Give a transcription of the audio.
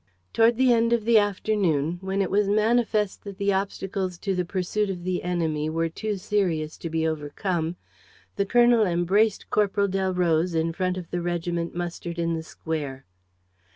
Toward the end of the afternoon, when it was manifest that the obstacles to the pursuit of the enemy were too serious to be overcome, the colonel embraced Corporal Delroze in front of the regiment mustered in the square.